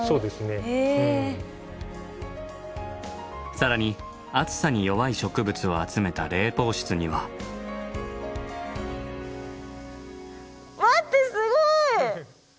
更に暑さに弱い植物を集めた冷房室には。待って。